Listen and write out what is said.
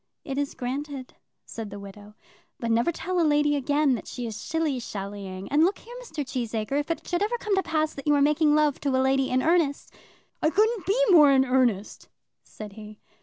"It is granted," said the widow; "but never tell a lady again that she is shilly shallying. And look here, Mr. Cheesacre, if it should ever come to pass that you are making love to a lady in earnest " "I couldn't be more in earnest," said he.